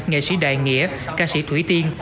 nghệ sĩ đài nghĩa ca sĩ thủy tiên